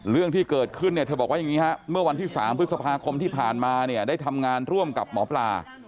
เรื่องที่เกิดขึ้นเนี่ยเธอบอกว่าอย่างนี้ฮะเมื่อวันที่๓พฤษภาคมที่ผ่านมาเนี่ยได้ทำงานร่วมกับหมอปลา